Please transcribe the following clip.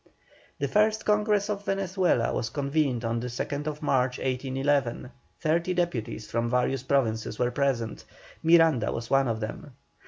The first Congress of Venezuela was convened on the 2nd March, 1811; thirty deputies from various Provinces were present, Miranda was one of them.